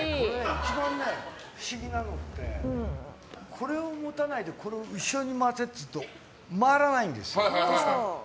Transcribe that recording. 一番不思議なのってこれを持たないでこれを後ろに回せっていうと回らないんですよ。